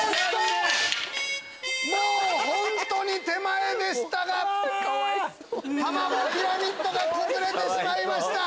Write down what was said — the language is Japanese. もう本当に手前でしたがたまごピラミッドが崩れてしまいました。